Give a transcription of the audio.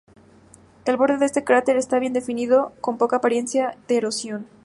El borde de este cráter está bien definido, con poca apariencia de erosión.